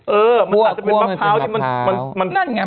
เออมันอาจจะเป็นมะพร้าวที่มันนั่นไง